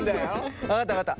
分かった分かった。